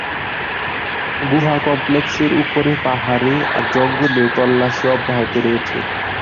গুহা কমপ্লেক্সের উপরে পাহাড়ে আর জঙ্গলেও তল্লাশি অব্যাহত রয়েছে।